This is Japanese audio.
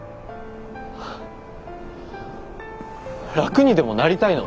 楽にでもなりたいの？